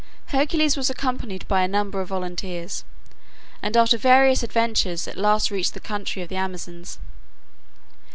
Hercules was accompanied by a number of volunteers, and after various adventures at last reached the country of the Amazons.